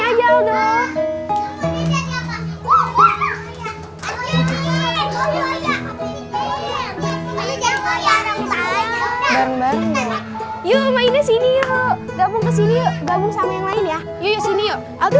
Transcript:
bareng bareng yuk mainnya sini yuk gabung kesini yuk gabung sama yang lain ya yuk sini yuk aldo